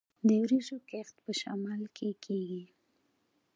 د وریجو کښت په شمال کې کیږي.